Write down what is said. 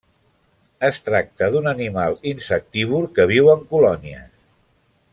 Es tracta d'un animal insectívor que viu en colònies.